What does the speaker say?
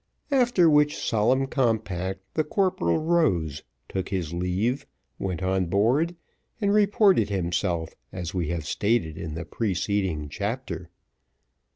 After which solemn compact the corporal rose, took his leave, went on board, and reported himself, as we have stated in the preceding chapter.